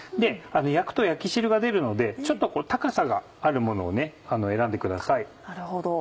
焼くと焼き汁が出るのでちょっと高さがあるものを選んでください。